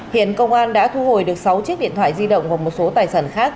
hiện công an đã thu hồi được sáu chiếc điện thoại di động và một số tài sản khác